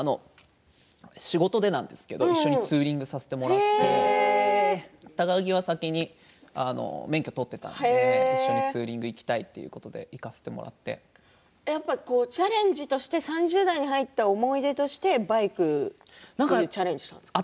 仕事でなんですけれども一緒にツーリングさせてもらって高木は先に免許を取っていたので一緒にツーリングに行きたいチャレンジとして３０代に入った思い出としてバイクにチャレンジしたんですか。